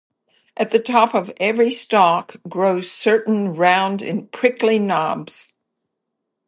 At the top of every stalk grows certain round and prickly knobs.